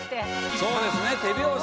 そうですね手拍子。